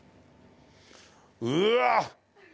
うわ！